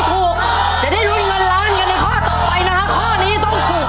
ดูที่ต่าง